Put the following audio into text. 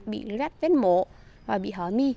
bị vết mổ và bị hở mi